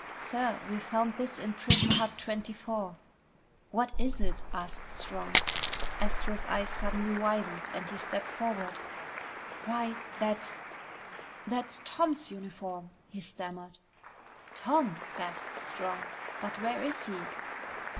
"Sir, we found this in prison hut twenty four." "What is it?" asked Strong. Astro's eyes suddenly widened and he stepped forward. "Why, that's ... that's Tom's uniform!" he stammered. "Tom!" gasped Strong. "But where is he?"